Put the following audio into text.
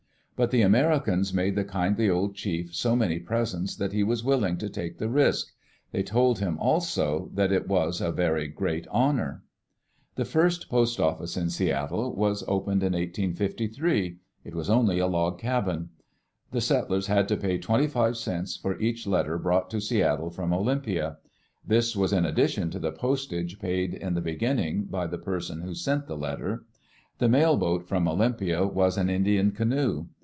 But the Americans made the kindly old chief so many presents that he was willing to take the risk. They told him, also, that it was a very great honor. Digitized by VjOOQ IC EARLT DAYS IN OLD OREGON The first post office in Seattle was opened In 1853; ^^ was only a log cabin. The settlers had to pay twenty five cents for each letter brou^t to Seattle from Olympla; this was in addition to the postage paid in the beginning by the person who sent the letter. The mail boat from Olympia was an Indian canoe.